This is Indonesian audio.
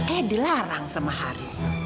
eyang dilarang sama haris